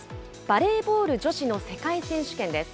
バレーボール女子の世界選手権です。